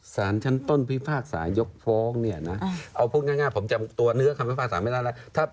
สารชั้นต้นพิพากษายกฟ้องเนี่ยนะเอาพูดง่ายผมจำตัวเนื้อคำพิพากษาไม่ได้แล้ว